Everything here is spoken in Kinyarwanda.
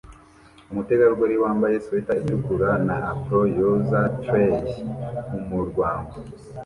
Umutegarugori wambaye swater itukura na apron yoza tray mumurwango